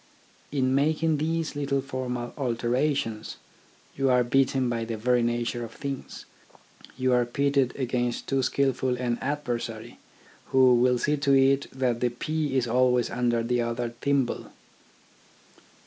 In making these little formal alterations you are beaten by the very nature of things. You are pitted against too skilful an adversary, who will see to it that the pea is always under the other thimble.